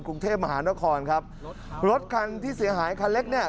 กรุงเทพมหานครครับรถคันที่เสียหายคันเล็กเนี่ย